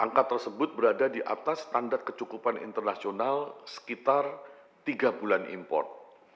angka tersebut berada di atas standar kecukupan internasional sekitar tiga bulan import